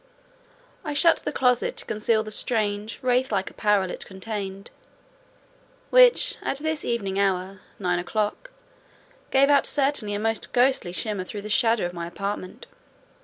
I shut the closet to conceal the strange, wraith like apparel it contained; which, at this evening hour—nine o'clock—gave out certainly a most ghostly shimmer through the shadow of my apartment.